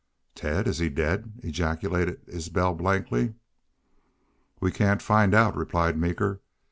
"Ted! Is he daid?" ejaculated Isbel, blankly. "We can't find out," replied Meeker.